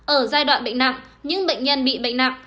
ở giai đoạn bệnh nặng những bệnh nhân bị bệnh nặng